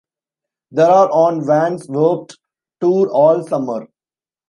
They are on Vans Warped Tour all summer.